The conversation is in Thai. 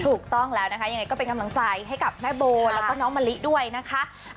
ถูกต้องแล้วนะคะยังไงก็เป็นกำลังใจให้กับแม่โบแล้วก็น้องมะลิด้วยนะคะ